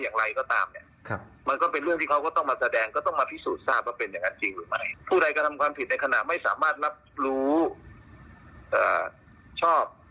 ผู้ใดก็ทำความผิดในขณะไม่สามารถรับรู้ชอบ